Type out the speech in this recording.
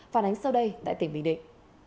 phản ánh sau đây tại tỉnh bình định